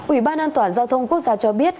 ủy ban an toàn giao thông quốc gia cho biết